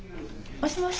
もしもし。